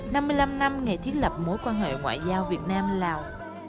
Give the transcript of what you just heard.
năm mươi năm năm ngày thiết lập mối quan hệ ngoại giao việt nam lào